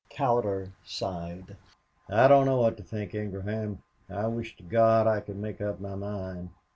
Cowder sighed. "I don't know what to think, Ingraham. I wish to God I could make up my mind.